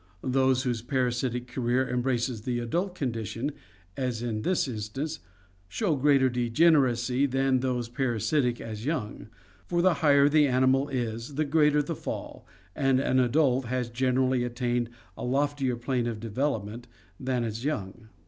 Those whose parasitic career embraces the adult condition, as in this instance, show greater degeneracy than those parasitic 262 PARASITISM AND DEGENERACY 263 as young, for the higher the animal is, the greater the fall, and an adult has generally attained a loftier plane of development than its young.